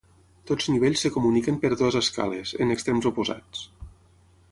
Tots nivells es comuniquen per dues escales, en extrems oposats.